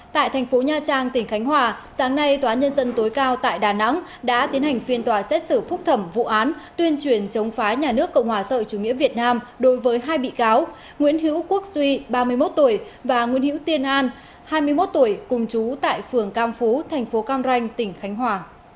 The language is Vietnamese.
tại thành phố nha trang tỉnh khánh hòa sáng nay tòa nhân dân tối cao tại đà nẵng đã tiến hành phiên tòa xét xử phúc thẩm vụ án tuyên truyền chống phá nhà nước cộng hòa sợi chủ nghĩa việt nam đối với hai bị cáo nguyễn hữu quốc duy ba mươi một tuổi và nguyễn hữu tiên an hai mươi một tuổi cùng chú tại phường cam phú thành phố cam ranh tỉnh khánh hòa